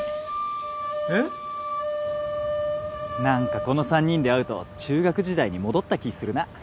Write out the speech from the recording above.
何かこの３人で会うと中学時代に戻った気するな。